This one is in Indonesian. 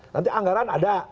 nanti anggaran ada